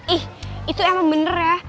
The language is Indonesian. ih itu emang bener ya